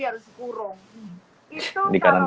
kalau tidak dikurung